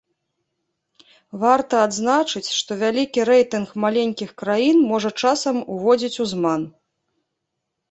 Варта адзначыць, што вялікі рэйтынг маленькіх краін можа часам уводзіць у зман.